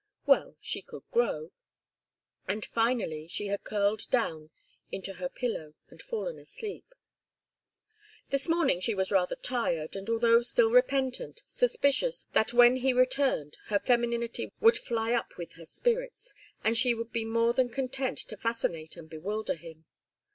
Well, she could grow, and finally she had curled down into her pillow and fallen asleep. This morning she was rather tired, and although still repentant, suspicious that when he returned her femininity would fly up with her spirits, and she would be more than content to fascinate and bewilder him.